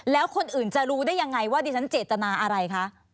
แล้วคนอื่นจะรู้ได้ยังไงว่าดิฉันเจตนาอะไรคะ